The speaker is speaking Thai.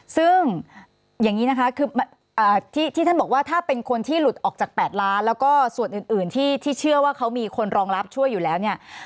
ซึ่งอย่างนี้นะคะคือที่ท่านบอกว่าถ้าเป็นคนที่หลุดออกจาก๘ล้านแล้วก็ส่วนอื่นที่เชื่อว่าเขามีคนรองรับช่วยอยู่แล้วเนี่ย